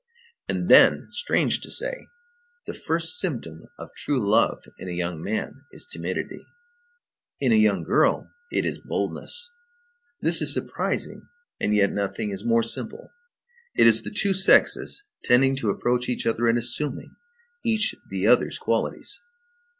And then, strange to say, the first symptom of true love in a young man is timidity; in a young girl it is boldness. This is surprising, and yet nothing is more simple. It is the two sexes tending to approach each other and assuming, each the other's qualities.